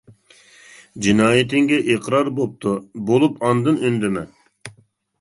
جىنايىتىڭگە ئىقرار بوپتۇ بولۇپ ئاندىن ئۈندىمە!